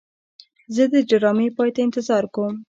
زه د ډرامې پای ته انتظار کوم.